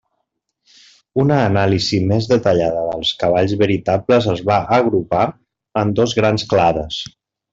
Una anàlisi més detallada dels cavalls veritables els va agrupar en dos grans clades.